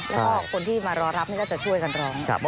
แล้วก็คนที่มารอรับนี่ก็จะช่วยกันร้อง